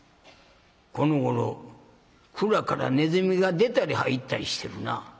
このごろ蔵からねずみが出たり入ったりしてるな。